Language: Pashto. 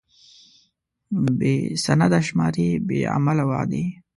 بې سنده شمارې، بې عمله وعدې.